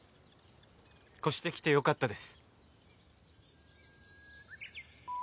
越してきてよかったです。